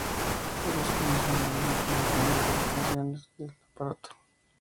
Otros cambios menores incrementaron las prestaciones del aparato.